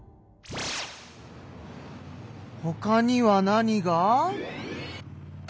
ほかには何が。